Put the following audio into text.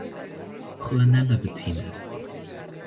Xwe nelebitîne!